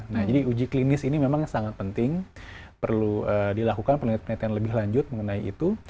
nah jadi uji klinis ini memang sangat penting perlu dilakukan penelitian penelitian lebih lanjut mengenai itu